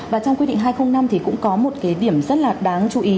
và trong quy định hai nghìn năm thì cũng có một cái điểm rất là đáng chú ý